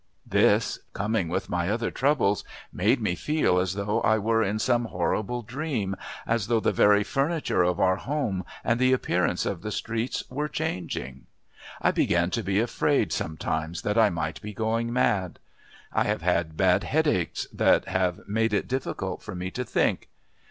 This, coming with my other troubles, made me feel as though I were in some horrible dream, as though the very furniture of our home and the appearance of the streets were changing. I began to be afraid sometimes that I might be going mad. I have had bad headaches that have made it difficult for me to think.